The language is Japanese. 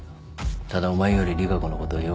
ただお前より利佳子のことをよく知ってる。